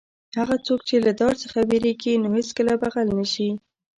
هغه څوک چې له دار څخه وېرېږي نو هېڅکله به غل نه شي.